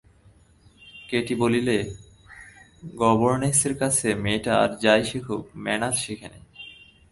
Katie বললে, গবর্নেসের কাছে মেয়েটা আর যাই শিখুক, ম্যানার্স শেখে নি।